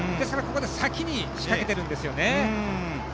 そこで先に仕掛けているんですよね。